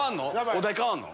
お題変わんの？